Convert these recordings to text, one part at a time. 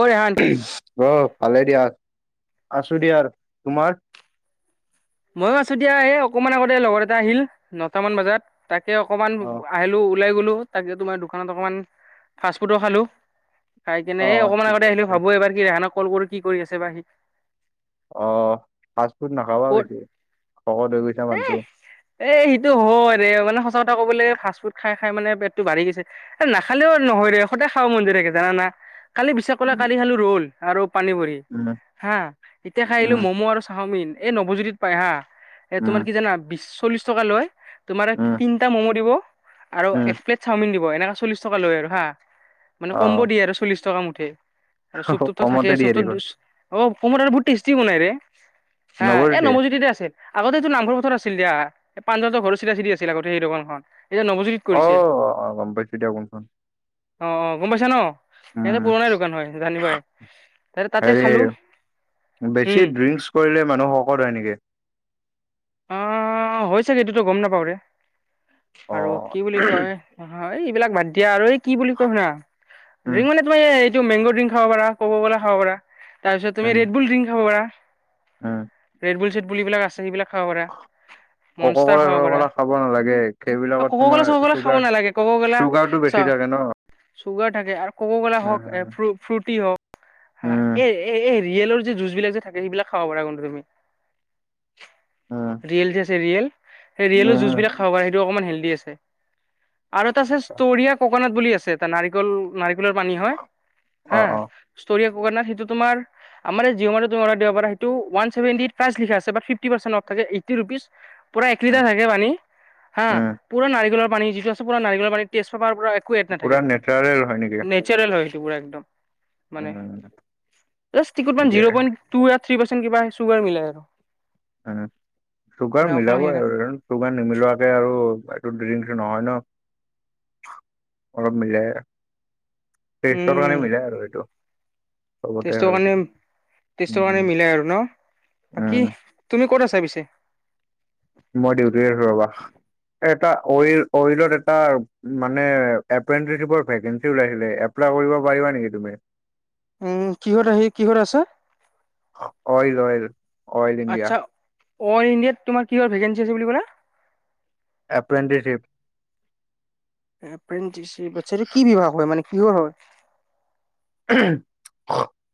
অ ৰেহান অ ভালে দিয়া আছো দিয়া আৰু তোমাৰ ময়ো আছো দিয়া এই অকমান আগতে লগৰ এটা আহিল নটা মান বজাত তাকে অকণমান অ আহিলো ওলাই গ'লোঁ তাকে তোমাৰ দোকানত অকণমান ফাষ্ট ফুডো খালোঁ খাই কিনে অ এই অকণমান ঠিকে আগতে আহিলে আছে ভাবো এইবাৰ কি ৰিহানক কল কৰো কি কৰি আছে বা সি অ ফাষ্ট ফুড না কত এ এ সিটো হয় ৰে মানে সছা সচা কথা কবলৈ ফাষ্ট ফুড খাই খাই মে পেটতটো বাঢ়ি গৈছে নাখালেও নহয় ৰে সদায় খাব মন য়ায থাকে জানা কালি বিছাখ কৰা উম কালি খালো ৰ'ল আৰু পানী ভৰি উম হা এতিয়া খাই আহিলোঁ উম ম'ম' আৰু চাওমিন এই নৱজ্যোতিত পাই হা এ উম তোমাৰ কি জানা বিশ চল্লিশ টকা লয় তোমাৰ উম তিনটা ম'ম দিব আৰু উম এক প্লেট চাওমিন দিব এনেকাে চল্লিশ টকা লৈ আৰু হা মানে অ কমব দিয়ে আৰু চল্লিশ টকা মুঠে আৰু চুপটো থাকে কমতে দিয়ে চুপটো দেখোন অ কমত বহুত টেষ্টি বনাই ৰে হা নব্বৈ এ দিয়ে নৱজ্যোতিৰে আছে আগতে এইতটো নামঘৰ পথাৰ আছিল দা পানজলৰ ঘৰ চিধা চিধি আছিল আগতে সেই দোকানখন এতিয়া নৱজ্যোতিত কৰিছে অহ অহ গম পাইছো দিয়া কোনখন অ অ গম পাইছা ন ইহঁতে উম পুৰণা দোকান হয় জানি বাই ত তাতে হেৰি খালো বেছি উম ড্ৰিংকছ কৰিলে মানুহ শকত হয় নেকি অ হৈছোগে এইটোতো গম নাপাওৰে অ আৰু কি বুলি কয় হয় এইবিলাক বাদ দিয়া আৰু এই কি বুলি কয় শুনা উম ড্ৰিংক মানে তুমি এই মেংগ ড্ৰিং খাব পাৰা কককলা খাব পাৰা তাৰপিছত উম তুমি ৰেডবুল ড্ৰিং খাব পাৰা। উম ৰেডবুল চেডবুল এইবিলাক আছে সেইবিলাক খাব পাৰে। কককলা চককলা খাব নালাগে সেইবিলাকত ক'ক' ক'লা তোমাৰ চক' ক'লা খাব চুগাৰ নালাগে ক'ক' ক'লা চুগাৰ টো বেছি। চা ঠি থাকে ন চুগাৰ থাকে আৰু কককলা হওক উম ফ্ৰুটি হওক হ উম এই এই ইয়েলৰ যে জুচ বিলাক যে থাকে সেইবিলাক খাব পাৰা কিন্তু তুমি উম ৰিয়েল যে আছে ৰিয়েল সেই ৰিয়েলৰ জুচ উম বিলাক খাব পাৰে সেইটো অকমান হেলডি আছে আৰু এটা আছে সষ্টৰিয়া ককনাত বুলি আছে এটা নাৰিকল নাৰিক পানী হয় অ হা অ হিষ্টৰী ককনাৰ সেইটো তোমাৰ আমাৰ জীৱনটো দিব পাৰে হয়তো উৱান ছেভেটি পাইছ বা ফিপটি পাইচেন অফ থাকে এঠটি ৰুপিচ পুৰা এক উম লিটাৰ থাকে পানী হা উম পুৰা নাৰিকলৰ পানী যিটো আ পুৰা নাৰিকলৰ পানী তেষ্টপেপাৰ একো এড নাথাকে পুৰা তাতে নেচাৰেল হয় নেকি নেচাৰেল হয়। মানে উম ঠিকে জিৰ' পইন থ্ৰী পৰ্চেন্ত কিবা চুগাৰ মিলে আৰু। চুগাৰ নে অকমান মিলাব সেইয়া আৰু চুগাৰ নিমিলোৱাকে আৰু য ড্ৰিংক নহয় ন অলপ মিলে। তেইশ টো কাৰনে মিলে আৰু সেইটো। টেষ্ট কাৰণে টেষ্টৰ কাৰণে উম মিলাই আৰু ন। বাকী উম তুমি ক'ত আছা পিছে মই দিয়ুতিত আছোঁ ৰবা। এটা অইল অইলত এটা মানে অপ্ৰেন্তিষ্টৰ ভেকেঞ্চি ওলাইছিলে এপ্লাই কৰিব পাৰিবা নেকি তুমি? উম কিহত আহি কিহত আছে? Oil Oil Oil India. আচ্ছা অল ইণ্ডিয়াত তোমাৰ কি ভেকেঞ্চি আছে বুলি কলা? অপ্ৰেন্তিষ্ট। অপ্ৰেণ্টিষ্ট এইটো কি বিভাগ হয় মানে কিহৰ হয়?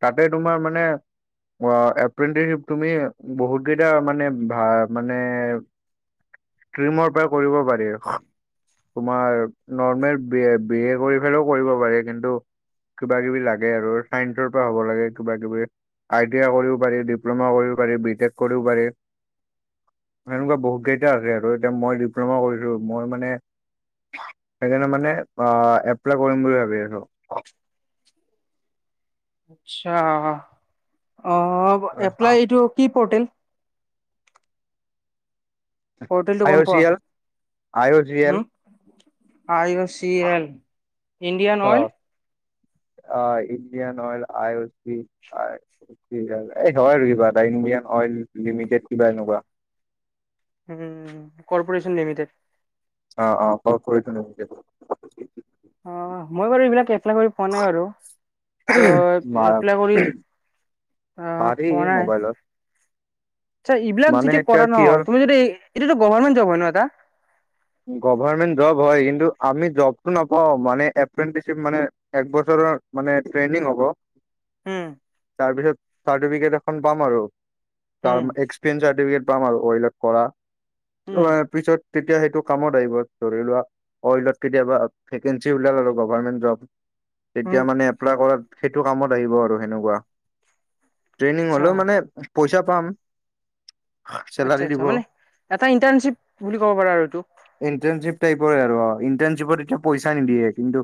তাতে তোমাৰ মানে অ এপ্ৰেণ্টিষ্ট তুমি বহুত কেইটা মানে ভ মানে ষ্ট্ৰিমৰ পৰা কৰিব পাৰি। তোমাৰ নৰ্মেল বি বি এ কৰি পেললেও কৰিব পাৰি কিন্তু কিব কিবি লাগে আৰু চাইন্সৰ পৰা হ'ব লাগে কিবা কিবি আইটি কৰিব পাৰি ডিপ্ল'মা কৰিব পাৰি। বিটেক কৰিও পাৰি। [inaudible] হেনেকুৱা বহুত কেইটা আছে আৰু এতিয়া মই ডিপ্ল'মা কৰিছো মই মানে সেইকাৰণে মানে আহ এপ্লাই কৰিম বুলি ভাবি আছো। আচ্ছা অ এপ্লাই এইটো কি পৰ্টেল? পৰ্তেলটো আই গম অ চি পোৱা? L I O C L উম! আইি গল চি এন ইণ্ডিয়ান অইল। অ ইণ্ডিয়ান অইল আই অ এই নহয় আৰু কিবা এ। ইণ্ডিয়ান অইল লিমিটেড কিবা। উম কৰ্পৰেচন লিমিটেড। অ অ কৰ্পেৰেচন লিমিটেড। অ মই বাৰু এইবিলাক এপ্লাই কৰি পোৱা নাই বাৰু। ত' এপ্লাই কৰি আহ পাৰি পোৱা নাই। মোবাইলত আচ্ছা এইবিলাক মানে যিতি এতিয়া কৰা ন কি হ'ল তুমি যদি এইটোটো গভৰ্মেণ্ট জব হয় ন এটা? গৱৰ্ণমেণ্ট জব হয় কিন্তু আমি জবটো নাপাও মানে এপ্ৰেন্টিচিপ মানে একবছৰ ৰ মানে ট্ৰেইনিং হব উম, তাৰপিছত চাৰ্টিফিকেট এখন পাম আৰু। তাৰ উম, এক্সপিৰিয়েঞ্চ চাৰ্টিফিকেট পাম আৰু অইলঅত কৰা উম। পিছত তেতিয়া সেই কামত আহিব ধৰি লোৱা অইলত কেতিয়াবা ভেকেঞ্চি ওলাল আৰু গভমেন্ট জব উম, তেতিয়া মানে এপ্লাই কৰাত সেইটো কামত আহিব আৰু সেনেকুৱা ট্ৰেইনিং আচ্ছা, হ'লেও মানে পইচা পাম। আচ্ছা চেলাৰী আচ্ছা দিব মানে এটা ইন্টাৰ্ণশ্বিপ বুলি ক'ব পাৰা আৰু এইটো। ইণ্টানশ্বিপ টাইপৰে আৰু ইণ্টাৰণশ্বিপত এতিয়া পইচা নিদিয়ে কিন্তু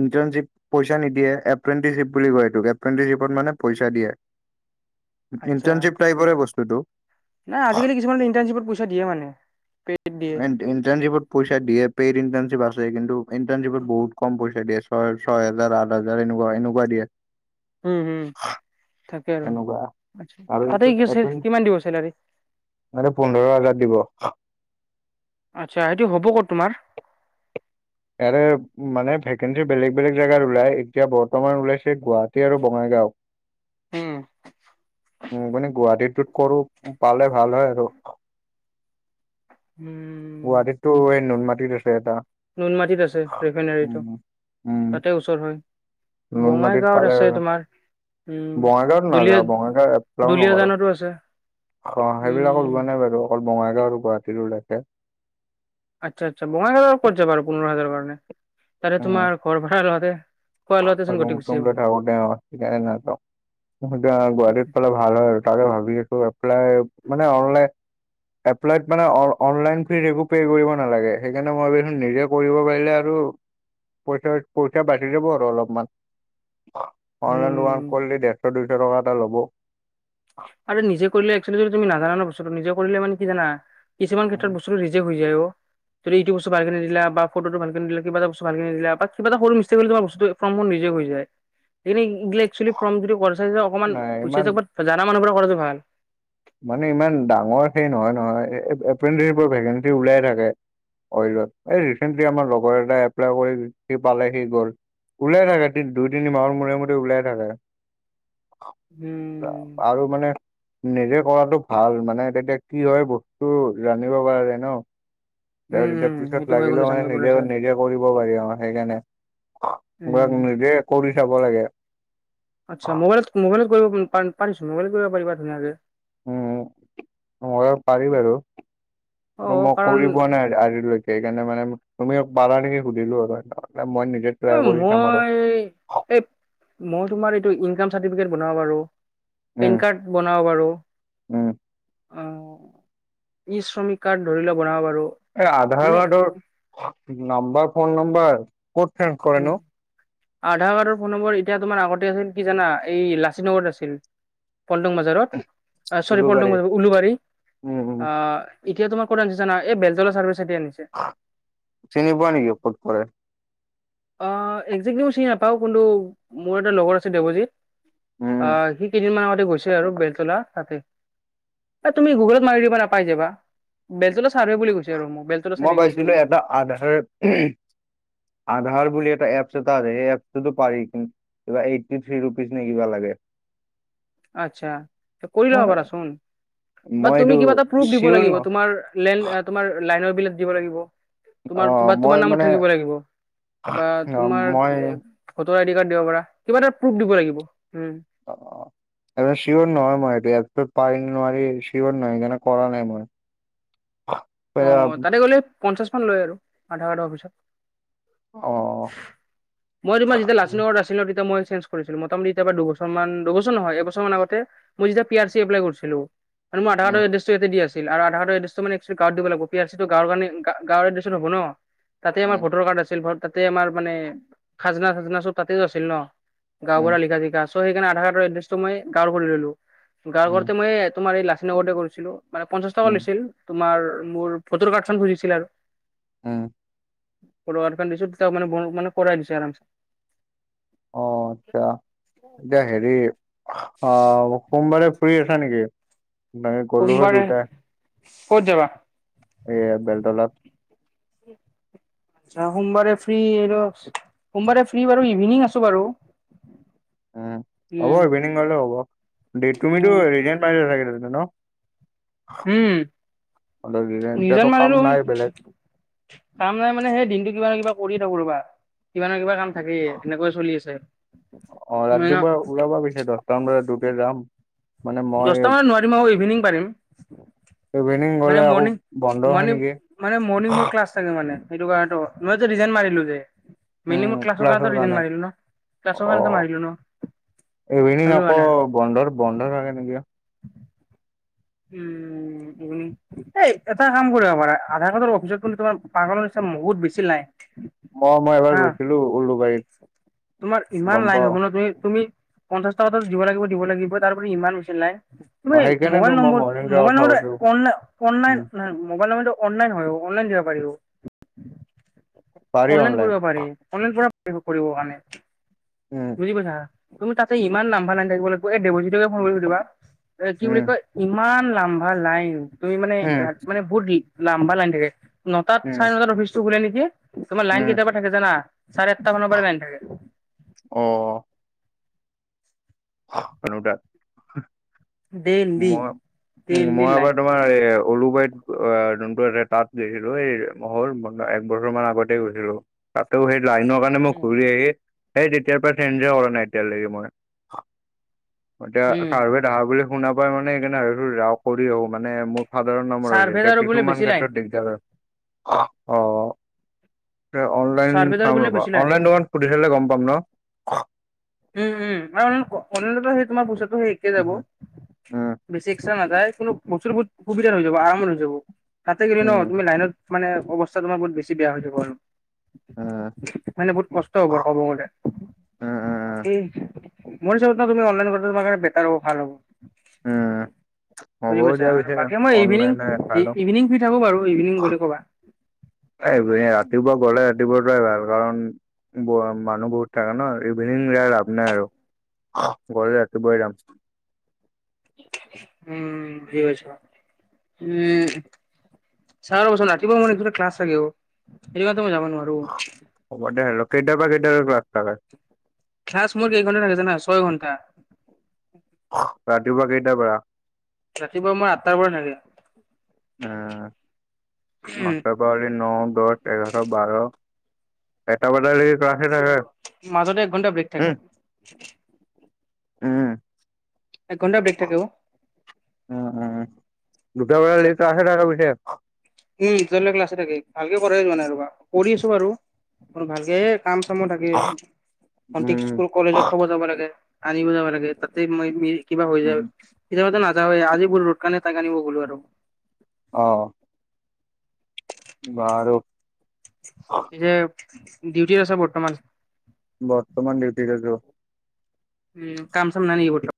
ইণ্টানচিপ পইচা নিদিয়ে এপ্ৰেণ্টিশ্বপ বুলি কয় এইটোযে এপ্ৰেণ্টিশ্বপত মানে পইচা দিয়ে। [inaudible] আচ্ছা। ইন্টাৰ্ণশ্বিপ টাইপৰে বস্তুটো। নাই আজিকালি কিছুমান ইণ্টাৰ্শ্বিপত পইচা দিয়ে মানে পেড দিয়ে। ই ইন্টাৰ্ণশ্বিপ পইচা দিয়ে পেইড ইন্টাৰ্ণশ্বিপ আছে কিন্তু ইন্টাৰ্ণশ্বিপত বহুত কম পইচা দিয়ে। ছয় ছয় হোজাৰ আঠ হাজাৰ এনেকুৱা এনেকুৱা দিয়ে। উম হম থা কে আৰু এনেকুৱা আৰু তাতে এইটোত এপ্ৰেন ইন্টাৰ্ণশ্বিপ কিমান দিব চেলাৰী? মানে পোন্ধৰ হাজাৰ দিব। আচ্ছা, সেইটো হ'ব ক'ত তোমাৰ? ইয়াৰে মানে ভেকেঞ্চি বেলেগ বেলেগ জেগাত ওলাই। এতিয়া বৰ্তমান ওলাইছে গুৱাহাটী আৰু বঙাইগাঁও। উম উম মানে গুৱাহাটীতো কৰো পালে ভাল হয় আৰু। উম গুৱাহাটীতটো এই নুন মাটিত আছে এটা। নুনমাটিত আছে ৰিফাইনোৰীটো উম উম তাতে ওচৰ হয়। নুনমাটিত বঙাইগাঁৱত পালে আছে আৰু। তোমাৰ। উম, বঙাইগাঁৱত দুলিয় নাযাওঁ বঙাইগাঁও এপ্লাইও নকৰো। দুলিয়াজানতো আছে। অ, সেইবিলাকো উম লোৱা নাই বাৰু অকল বঙাইগাঁও আৰু গুৱাহাটীৰো লকে আচ্ছা, আচ্ছা বঙাইগাঁও কৰ যাবা আৰু পন্ধৰ হাজাৰৰ কাৰণে তে তোমাৰ ঘৰ ভাৰালহাতে। ৰৰুম [unintelligible] গুৱাহাটীত পালে ভাল হয় আৰু তাকে ভাবি আছো এপ্লাই মানে অনলাইন এপ্লাই মানে অনলাইন ফি একো পে কৰিব নালাগে। সেইকাৰণে মই ভাবছ নিজে কৰিব পাৰিলে আৰু পইচা পইচা বাচি যাব। অলপ অনলাইন দোক উম কৰিলে দেৰশ দুইশ টকা এটা ল'ব। আৰু নিজে কৰিলে এক্সুৱেলী যদি তুমি নাজানা ন বস্তুটো নিজে কৰিলে মান কি জানা? কিছুমান ক্ষেত্ৰত উম, বস্তুটো ৰিজেক্ট হৈ যায় অ। যদি ইটটো বস্তু ভালে নিল বা ফটো ভালেদিল কিব এটা ব্ত ভালক নিল বা কিবা এটা সৰু মিচটেক কৰিলে তোৰ বস্তুটো ফৰ্মত নিজে হয়। ন ফৰ্ম যদিাই অকণমান নাই ইমান পুচাইওক জানা মানুহব কৰাটো ভাল। মানে ইমান ডাঙৰ সেই নহয় নহয় এপ্ৰেডি ভেকেঞ্চি ওলাই থাকে। ত, এই ৰিচেণ্টলি আমাৰ লগৰ এটা এপ্লাই কৰি সি পালে সি গল। ওলিয়াই থাকে তি দুই তিনি মাহৰ মোৰে মোট ওলিয়াই থাকে। উম আৰু মানে নিজে কৰাটো ভাল মানে তেতিয়া কি হয় বস্তু জানিব পৰা যায় ন। উম তেতিয়া উম পিছত সেইটো হয় কিন্তু লাগিলেও মানে জানিব পৰা নিজে যায় নিজে কৰিব পাৰি আৰু উম সেইকাৰণে। নিজে কৰি চাব লাগে। আচ্ছা মোবাইলত- মোবাইলত কৰিব পা- পাৰিছো মোবাইলত কৰিব পাৰিবা ধুনীয়াকে। উম। মই পাৰি বাৰু। কি অ মই কাৰণ কৰি পোৱা নাই আজিলৈ সেইকাৰণে মানে তুমি পালা নেকি সুধিলো আৰু। মই নিজে এ, ট্ৰাই কৰি চাম আৰু মই এই মই তোমাৰ এইটো ইনকাম চাৰ্টিফিকেট বনাও বাৰু। উম পেণ কাৰ্ড বনাও বাৰু। উম অ ই শ্ৰমিক কাৰ্ড ধৰি লোৱা বনাব পাৰা। এই আধাৰ কাৰ্ডৰ নাম্বাৰ ফোন নাম্বাৰ ক'ত চেঞ্জ কৰে নো? আধাৰ কাৰ্ডৰ ফোন নম্বৰ এতিয়া তোমাৰ আগতে আছিল কি জানা এই লাচিত নগৰত আছিল। পল্ডং বজাৰত, চৰি পল্ডং উলুবাৰী বজাৰত উলোবাৰী, উম উম আ এতিয়া তোমাৰ কত আছে জানা এই বেলতলা চাৰ্ভিচ চাইডে আনিছে চিনিব নিকি ক'ত কৰে? অ, একজেক্টলি মই চিনি নাপাও কিন্তু মোৰ এটা লগৰ আছে দেৱজিত। উম অ, সি কেইদিন মান আগত গৈছে আৰু বেলতেলা তাতে, এ তুমি গুগলত মাৰি দিব নাপাই যাবা। বেলতলা চাৰ্ভে বুলি কৈছে আৰু মোক বেলতলা চাইডে মই নিছে পাইছিলো বুলি এটা কৈছে আধাৰ উহুম আধাৰ বুলি এটা এপ এটা আছে সেই এপটো পাৰি কিন্তু এইবাৰ এইটি থ্ৰী ৰুপিচ নে কিবা লাগে। আচ্ছা, ত কৰি লব পাৰা মই চোন। বা মই এইটো তুমি কিবা এটা প্ৰোফ দিব চিয়ৰ ন লাগিব, তোমাৰ লেন তোমাৰ লাইনৰ বিল দিব লাগিব। অ তোমাৰ তোমাৰ মই তোমাৰ নামত মানে থাকিব লাগিব। বা অ তোমাৰ মই ভোটৰ আইডি কাৰ্ড দিব পাৰা কিবা এটা প্ৰুফ দিব লাগিব। এইফালে শিৱৰ নহয় মই এই পাৰি নোৱাৰি শিৱৰ নহ সেইকাৰণে কৰা নাই মই। অ অহ তাতে গ'লে পঞ্চাশ মান লয় আৰু আধাৰ কাৰ্ড অফিচত। মই তোমাৰ যেতিয়া লাচিত নগৰত আছিলো তেতিয়া মই চেন কৰি দিলো মুতামুতি এতিয়া বা দুবছৰ মান দুবছৰ নহয় এবছৰ আগতে মই যেতিয়া পি আৰ চি এপ্লেলাই কৰিছিলো। তাৰ মোৰ আধা কাৰ্ড উম এড্ৰেটো ইয়াৰতে দিয়া আছিল আৰু আধাৰ এড্ৰেটো মানে। গাওঁ দিব লাগিব পি আৰ চি তো গাওঁ গাওঁ খুঢ়া তাতে আমাৰ উম ভোটৰ কাৰ্ড আছিল। তাতে আমাৰ মানে খাজানা -চাজনা চব তাতেও আছিল ন, গাও উম বুঢ়া লিখা জিখা। ত' সেইকাৰণে আধাৰ কাৰ্ডৰ এড্ৰেছটো মই গাৰ কৰি ললো। গাৰ উম কৰতেই তোমাৰ এই লাচী নগৰতে কৰিছিলো। মানে পঞ্চাশ টকা উম লৈছিল, তোমাৰ মোৰ ফটোৰ কাৰ্ড চ খুজিছিল আৰু। হে। কৰ দিছো তাক মানে মানে কৰাই দিছো আৰামছে। অ আচ্ছা, এতিয়া হেৰি আহ সোমবাৰে ফুৰি আছা নেকি? এ গলো হয় সোমবাৰে দুইটাই। ক'ত যাবা? এয়া বেলতলাত। আ সোমবাৰে ফ্ৰী এইটো, সোমবাৰে ফ্ৰী বাৰু ইভিনিং আছো বাৰু। উম হ'ব উম ইভিনিংলে হ'ব, তুমিতো উম ৰিজেন পাৰিলা চাগে ন? উম। ৰিজাইন নিজন এতিয়াতো কাম মানুহো নাই বেলেগ। কাম নাই মানে সেই দিনটো কিবা- কিবা কৰি থাকো ৰবা! কিবা না কিবা কাম থাকেই তেনেকৈ চলি আছে। অ ৰাতিপুৱা ওলাবা পিছে দহটামান বজাত দুতে যাম। মানে মই দচটা মানত নোৱাৰিম আকৌ ইভিনিং পাৰিম। ইভিনিং গ'লে মানে আকৌ মৰ্নিং বন্ধ হয় মৰ্নিং নেকি মানে মৰ্নিং মোৰ ক্লাছ থাকে মানে। সেইটো কাৰনটো মই ৰিজাইন মাৰিলো যে। মিনিমম ক্লাছৰ কাৰণে ৰিজাইন মাৰিলো ন, ক্লাছৰ অ কাৰণে মাৰিলো ন। ইভিনিং ভাবিব আকৌ না বন্ধৰ বন্ধৰ থাকে নেকি? উম সেইটো নিঙ এটা কাম কৰিব পাৰা আধাৰ কাৰ্ডৰ অফিচত কিন্তু তোমাৰ পাগলৰ নিচি বহুত বেছি নাই। মই মই এবাৰ হা গৈছিলো উলুবাৰীত তোমাৰ ইমান গম লাইন পাও হ'ব ন তুমি তুমি, পঞ্চাশ টকাতো দিব লাগিব দিব লাগিব তাৰ। ওপৰি ইমান হৈছিল নাই অ সেইকাৰণেতো মোবাইল মই নম্বৰ। মৰ্ণিং যোৱাৰ মোবাইল কথা নাম্বাৰ কৈছো অন অন উম নহয় মোবাইল নাম্বাৰতো অনলাইন হয় অ অনলাইন দিব পাৰি। অনলাইন কৰিব‌ পাৰি সেইবোৰ কৰিব কাৰণে উম বুজি পাইছা তুমি তাতে ইমান লামবা লাই থাকিব লাগিব এই দেৱজিতকে ফোন কৰিসুধিবা এ কি বুলি উম কয় ইমান লাম্ভা লাইন। তুমি মানে উম ৰা মানে বহুত লাম্বা লাইন থাকে নটাত উম চাৰে নটাত অফিচতটো খোলে নেকি। তোমাৰ লাইন উম কেতিয়াবা থাকে জানা চাৰে আঠটা মানৰ পৰা লাইন থাকে। অ সেনো‌ তাত দেইলি মই উম দেইলি মই লাইন এবাৰ তোমাৰ এ। পলুবাৰীত যোনটো আছে তাত গৈছিলো এই মহৰ একবছৰ মান আগতে গৈছিলো। তাতো সেই লাইনৰ কাৰণে মই উম ঘূৰি আহি সেই তেতিয়াৰ পৰা চেঞজে কৰা নাই এতিয়ালৈকে মই। এতিয়া উম চাৰ্ভে অহা বুলি শুনা পাই মানে সেইকাৰণে যাওঁ কৰি আহো মানে। সাধাৰণ নামৰ চাৰ্ভেত এতিয়া আৰু বোলে কিছুমান বেছি লাইন ক্ষেত্ৰত দিগদাৰ অহ এ অনলাইন চাৰ্ভেত আৰু চাম বোলে ৰ'বা বেছি লাইন অনলাইন দোকান সুধি চালে গম পাম ন। উম উম আৰু অলাইন হব সেই তোমাৰ বস্তু, একে যাব উম। উম, বেছি এক্সট্ৰা নাযায় কিন্তু প্ৰচুৰ ব [unintelligible] সুবিধাত হৈ যাব আৰামত হৈ যাব তাতে গি ন উম, তুমি লাইনত মানে অহ আৰু তোমাৰ বহু বেছি বেয়া হৈ যাব, উম, উম, আৰু মানে বহুত নষ্ট হ'ব আৰু ক'ব গলে। উম, উম, ই মোৰ হিচাপত ন তুমি অনলাইন তোমাৰ কাৰণে বেটাৰ হ'ব ভাল হ'ব। উম, হ'ব বুজি পাইছা দিয়া পিছে আৰু বাকী মই ইভিনিং অনলাইনে চাই লওঁ। ইভিনিং ফ্ৰি থাকো বাৰু ইভিনিং বুলি ক'বা। এই এইপিনে ৰাতিপুৱা গলে ৰাতিপুৱা যোৱা ভাল কাৰণ মানুহ বহুত থাকে ন ইভিনিং যাই লাভ নাই আৰু গলে ৰাতিপুৱাই যাম উম কি কৰিছ উম ৰাতিপুৱা মানে একটা ক্লাছ থাকে অ মই যাব নোৱাৰো হব দে আৰু কেইটাৰ পৰা কেইটালৈ ক্লাচ থাকে ক্লাছ মোৰ কেই ঘণ্টা থাকে জানা ছয় ঘণ্টা ৰাতিপুৱা কেইটা পৰা ৰাতিপুৱা মই আঠটাৰ পৰা থাকে উম আঠটা পা হ'লে ন, দহ, এঘাৰ, বাৰ এটা বজালৈকে ক্লাচ মাজতে এক ঘণ্টা ব্ৰেক থাকে উম এক ঘণ্টা ব্ৰেক থাকে অহ উম উম দুটা বজা লৈ কে তাত উম দুটাৰলৈকে ক্লাছ হৈ থাকে ভালকে কৰে মানে ৰবা কৰি আছো বাৰু অলপ ভালকে কাম চামো থাকে সঠিক ভন্টিক উম স্কুল কলেজত থব যাব লাগে আনিব যাব লাগে তাতে মই কিবা হৈ উম যায় কেতিয়াবা টো নাযাওঁ আজি বোলো ৰ'দ কাৰনে তাক আনিব গলো আৰু অহ বাৰু পিছে ডিউটিত আছে বৰ্তমান বৰ্তমান ডিউটি আছো উম কামচাম নাইনেকি বৰ্তমান